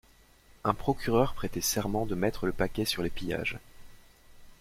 Un procureur prêtait serment de mettre le paquet sur les pillages.